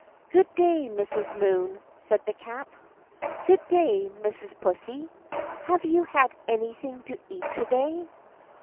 "Good day, Mrs. Moon," said the Cat. "Good day, Mrs. Pussy; have you had anything to eat to day?"